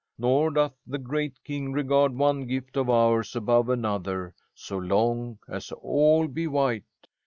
Nor doth the great King regard one gift of ours above another, so long as all be white.